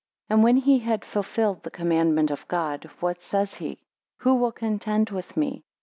And when he had fulfilled the commandment of God, What says he? Who will contend with me?